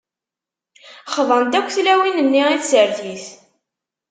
Xḍant akk tlawin-nni i tsertit.